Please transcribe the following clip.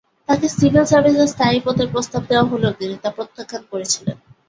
তাঁকে সিভিল সার্ভিসে স্থায়ী পদের প্রস্তাব দেওয়া হলেও তিনি তা প্রত্যাখ্যান করেছিলেন।